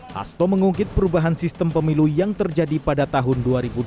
hasto mengungkit perubahan sistem pemilu yang terjadi pada tahun dua ribu dua puluh